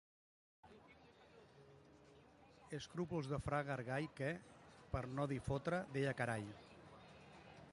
Escrúpols de fra Gargall que, per no dir fotre, deia carall.